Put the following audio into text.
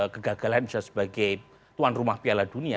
kegagalan bisa sebagai tuan rumah piala dunia